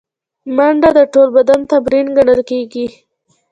منډه د ټول بدن تمرین ګڼل کېږي